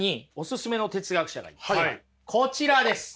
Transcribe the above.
こちらです！